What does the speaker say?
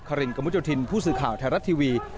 คารินกำุ้นจุทินผู้สื่อข่าวแทนรัฐทีวี